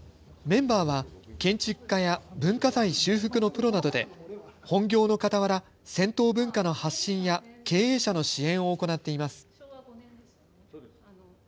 メンバーは建築家や文化財修復のプロなどで本業のかたわら銭湯文化の発信や経営者の支援を行っています。